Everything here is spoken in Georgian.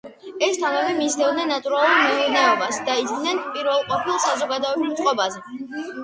ეს ტომები მისდევდნენ ნატურალურ მეურნეობას და იდგნენ პირველყოფილ საზოგადოებრივ წყობაზე.